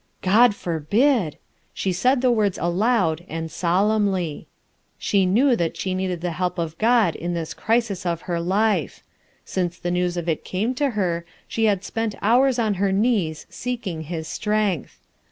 "God forbid I" she said the words aloud, and sol emnly. She knew that she needed the help of God in this crisis of her life; since the news of it came to her*she had spent hours on her knees seeking his strength.